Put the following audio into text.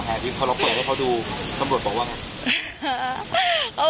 ที่พอเราเปิดให้เขาดูตำรวจบอกว่าไง